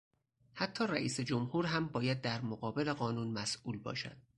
حتی رئیسجمهور هم باید در مقابل قانون مسئول باشد.